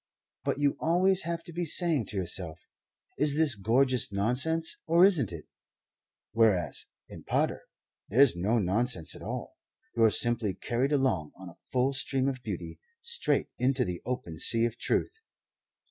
But you always have to be saying to yourself, 'Is this gorgeous nonsense or isn't it?' whereas in Pater there's no nonsense at all. You're simply carried along on a full stream of Beauty straight into the open Sea of Truth."